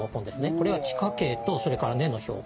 これは地下茎とそれから根の標本。